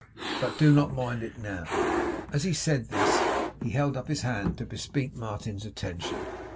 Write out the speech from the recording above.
'But do not mind it now.' As he said this, he held up his hand to bespeak Martin's attention.